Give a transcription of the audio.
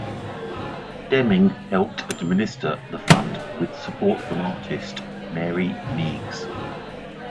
Deming helped administer the Fund, with support from artist Mary Meigs.